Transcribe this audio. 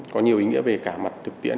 có nhiều ý nghĩa về cả mặt thực tiễn